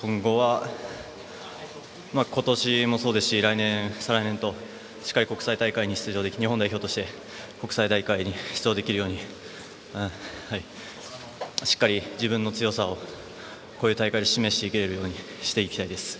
今年もそうですし来年、再来年としっかり日本代表として国際大会に出場できるようにしっかり自分の強さをこういう大会で示していけられるようにしていきたいです。